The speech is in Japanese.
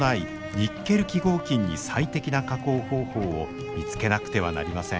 ニッケル基合金に最適な加工方法を見つけなくてはなりません。